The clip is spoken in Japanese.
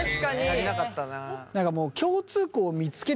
足りなかったなあ。